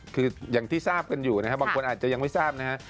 คืออย่างที่ทราบกันอยู่นะครับบางคนอาจจะยังไม่ทราบนะฮะ